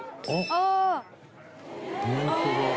「ああ」